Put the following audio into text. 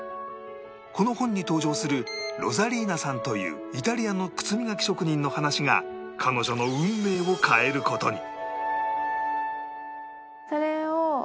この本に登場するロザリーナさんというイタリアの靴磨き職人の話が彼女の運命を変える事に